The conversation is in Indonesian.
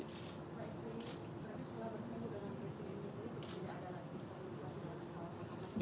pak sby pernah berkenaan dengan presiden jokowi sepertinya ada lagi kesan yang ingin anda bicarakan